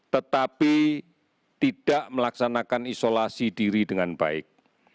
tetapi tidak melaksanakan isolasi diri dengan baik